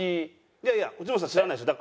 いやいや藤本さん知らないでしょ。